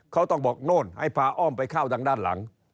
เขาต้องบอกโน่นให้พาอ้อมไปเข้าทางด้านหลัง